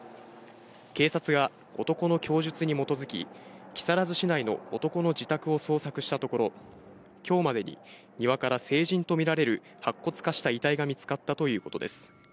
警察が男の供述に基づき、木更津市内の男の自宅を捜索したところ、きょうまでに庭から成人と見られる白骨化した遺体が見つかったということです。